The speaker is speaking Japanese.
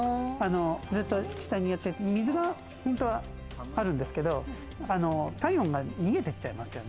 下に水が本当はあるんですけど、体温が逃げていっちゃいますよね。